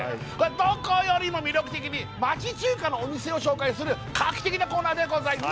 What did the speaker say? どこよりも魅力的に町中華のお店を紹介する画期的なコーナーでございます